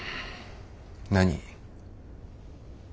何？